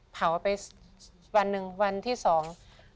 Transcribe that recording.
เผาไปวันที่สอง